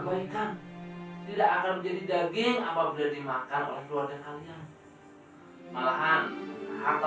kebaikan tidak akan menjadi daging apa boleh dimakan oleh keluarga kalian malahan harta